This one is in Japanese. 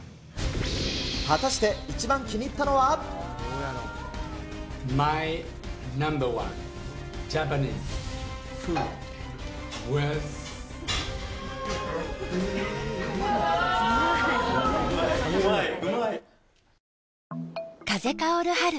果たして、一番気に入ったの風薫る春。